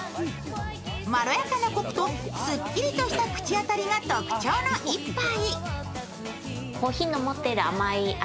まろやかなこくと、すっきりとした口当たりが特徴の１杯。